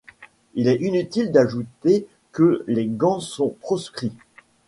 Il est inutile d’ajouter que les gants sont proscrits.